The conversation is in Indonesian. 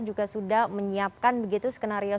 juga sudah menyiapkan begitu skenario